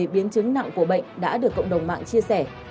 biến chứng nặng của bệnh đã được cộng đồng mạng chia sẻ